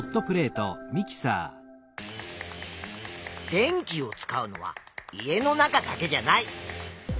電気を使うのは家の中だけじゃない。